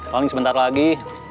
paling sebentar lagi